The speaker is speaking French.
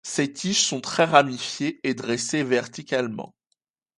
Ses tiges sont très ramifiées et dressées verticalement.